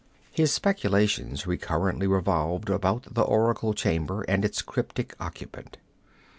His speculations recurrently revolved about the oracle chamber and its cryptic occupant.